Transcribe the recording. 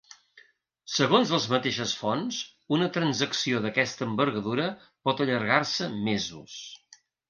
Segons les mateixes fonts, una transacció d’aquesta envergadura pot allargar-se ‘mesos’.